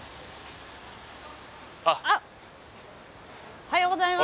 おはようございます。